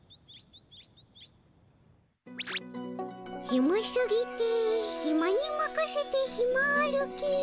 「ひますぎてひまにまかせてひま歩き。